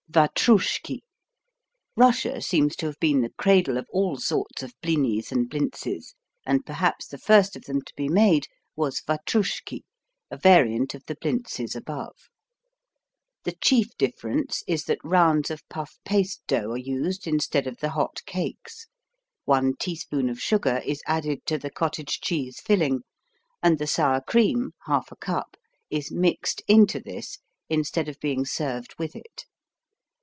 Vatroushki Russia seems to have been the cradle of all sorts of blinis and blintzes, and perhaps the first, of them to be made was vatroushki, a variant of the blintzes above. The chief difference is that rounds of puff paste dough are used instead of the hot cakes, 1 teaspoon of sugar is added to the cottage cheese filling, and the sour cream, 1/2 cup, is mixed into this instead of being served with it.